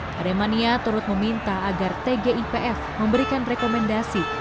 paremania turut meminta agar tgipf memberikan rekomendasi